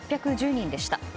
人でした。